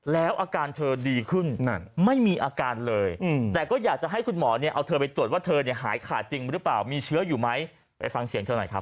แล้วอาการเธอดีขึ้นนั่นไม่มีอาการเลยแต่ก็อยากจะให้คุณหมอเนี่ยเอาเธอไปตรวจว่าเธอเนี่ยหายขาดจริงหรือเปล่ามีเชื้ออยู่ไหมไปฟังเสียงเธอหน่อยครับ